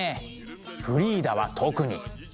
フリーダは特に。